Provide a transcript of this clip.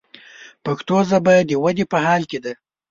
پښتو ژبه د ودې په حال کښې ده.